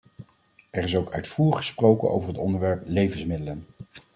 Er is ook uitvoerig gesproken over het onderwerp levensmiddelen.